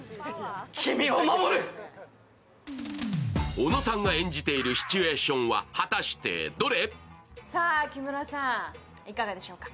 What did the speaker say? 小野さんが演じているシチュエーションは果たしてどれ？